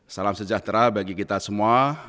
salam sejahtera bagi kita semua